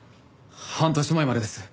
半年前までです。